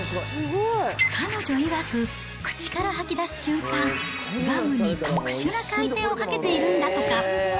彼女いわく、口から吐き出す瞬間、ガムに特殊な回転をかけているんだとか。